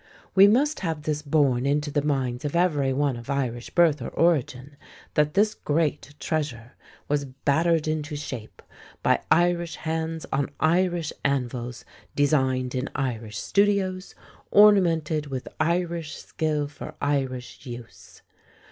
We must have this borne into the minds of every one of Irish birth or origin, that this great treasure was battered into shape by Irish hands on Irish anvils, designed in Irish studios, ornamented with Irish skill for Irish use.